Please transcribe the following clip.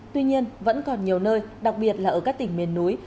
tuy nhiên vẫn còn nhiều nơi đặc biệt là ở các tỉnh miền núi